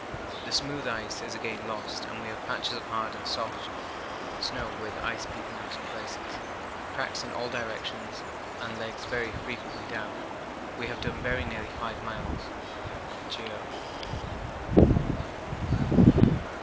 The smooth ice is again lost and we have patches of hard and soft snow with ice peeping out in places, cracks in all directions, and legs very frequently down. We have done very nearly 5 miles (geo.).